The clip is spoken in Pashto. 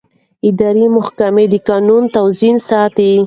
اداري محکمې د قانون توازن ساتي.